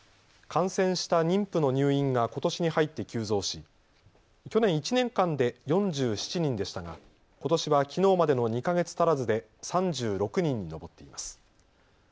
感染した妊婦の入院がことしに入って急増し去年１年間で４７人でしたがことしはきのうまでの２か月足らずで３６人に上っています。